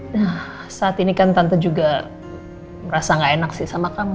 nah saat ini kan tante juga merasa gak enak sih sama kamu